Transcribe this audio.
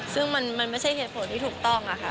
ซึ่งมันไม่ใช่เหตุผลที่ถูกต้องค่ะ